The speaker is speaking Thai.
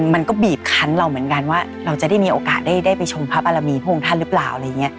มันก็บีบคันเราเหมือนกันว่าเราจะได้มีโอกาสได้ไปชมพระบารมีพระองค์ท่านหรือเปล่าอะไรอย่างนี้